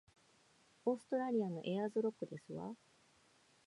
オーストラリアのエアーズロックですわ